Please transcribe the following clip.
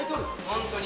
本当に。